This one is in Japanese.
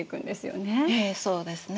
ええそうですね。